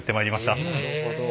なるほど。